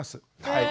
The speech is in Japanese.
はい。